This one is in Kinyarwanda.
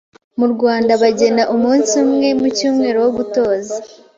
mu Rwanda bagena umunsi umwe mu cyumweru wo gutoza